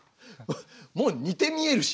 もう似て見えるしね。